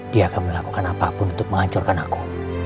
dia akan melakukan apapun untuk menghancurkan aku